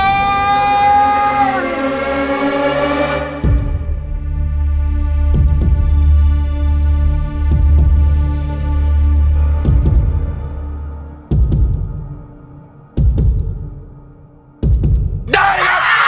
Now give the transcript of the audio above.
ได้ครับ